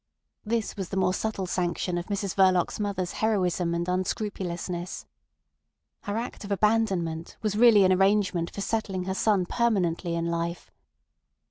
This was the more subtle sanction of Mrs Verloc's mother's heroism and unscrupulousness. Her act of abandonment was really an arrangement for settling her son permanently in life.